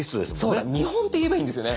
そうだ見本って言えばいいんですよね。